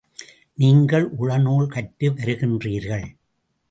நீங்கள் உளநூல் கற்று வருகின்றீர்கள்.